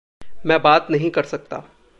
मैं बात नहीं कर सकता।